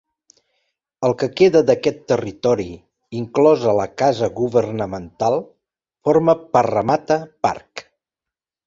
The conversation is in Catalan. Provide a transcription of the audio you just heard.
El que queda d'aquest territori, inclosa la Casa Governamental, forma Parramatta Park.